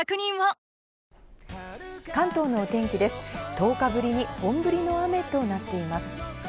１０日ぶりに本降りの雨となっています。